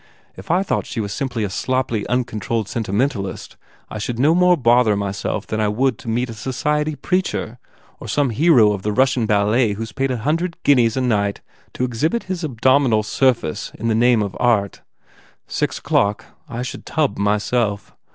If I thought she was simply a sloppy, uncontrolled sentimentalist I should no more bother myself than I would to meet a society preacher or some hero of the Russian ballet who s paid a hundred guineas a night to exhibit his abdominal surface in the name of art ... Six o clock. I should tub, myself.